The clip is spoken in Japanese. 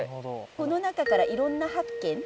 この中からいろんな発見